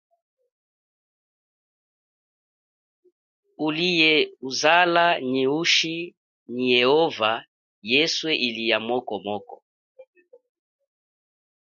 Ulie, uzale, nyi uchi nyi yehova yeswe ili ya moko moko.